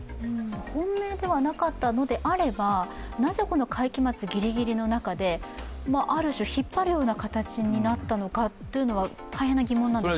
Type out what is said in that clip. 本命ではなかったのであればなぜこの会期末ギリギリの中で、ある種、引っ張るような形になったのかというのは大変な疑問なんですけど。